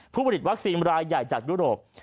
ผู้ผลิตวัคซีนรายใหญ่จากยุโรป